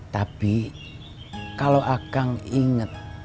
tapi kalau akang inget